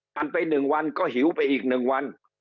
กันไปหนึ่งวันก็หิวไปอีกหนึ่งวัน